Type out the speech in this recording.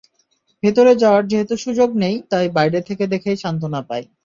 ভেতরে যাওয়ার যেহেতু সুযোগ নেই, তাই বাইরে থেকে দেখেই সান্ত্বনা পাই।